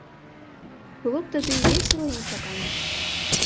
Было б тады і весела, і нечакана.